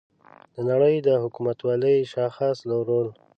د نړۍ د حکومتولۍ شاخص رول